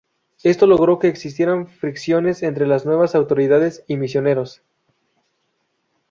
Esto logró que existieran fricciones entre las nuevas autoridades y los misioneros.